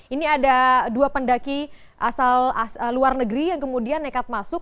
ini ada dua pendaki asal luar negeri yang kemudian nekat masuk